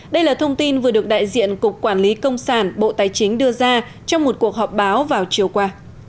đây là thông tin vừa được đại diện cục quản lý công sản bộ tài chính đưa ra trong một cuộc họp báo vào chiều qua